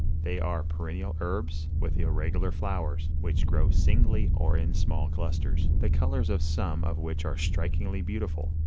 They are perennial herbs, with irregular flowers, which grow singly or in small clusters, the colors of some of which are strikingly beautiful.